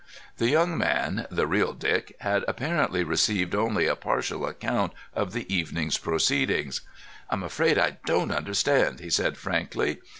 The young man—the real Dick—had apparently received only a partial account of the evening's proceedings. "I'm afraid I don't understand," he said frankly.